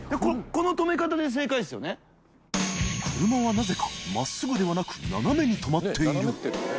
なぜか真っすぐではなく斜めに停まっている磴